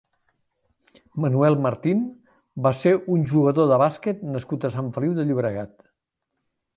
Manuel Martín va ser un jugador de bàsquet nascut a Sant Feliu de Llobregat.